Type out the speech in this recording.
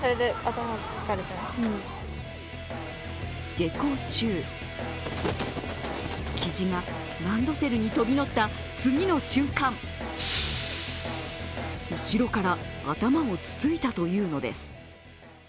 下校中、キジがランドセルに飛び乗った次の瞬間後ろから頭をつついたというのです。